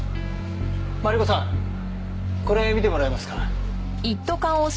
マリコさんこれ見てもらえますか？